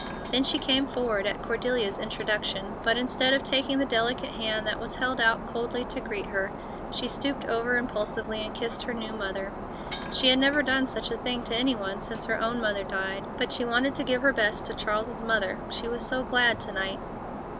Then she came forward at Cordelia's introduction, but, instead of taking the delicate hand that was held out coldly to greet her, she stooped over impulsively and kissed her new mother. She had never done such a thing to any one since her own mother died, but she wanted to give her best to Charles's mother, she was so glad to night.